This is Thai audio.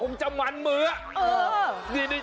นี่ไงอยู่นี่ไง